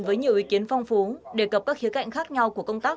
với nhiều ý kiến phong phú đề cập các khía cạnh khác nhau của công tác